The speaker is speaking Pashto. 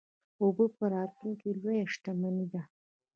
اوبه په راتلونکي کې لویه شتمني ده.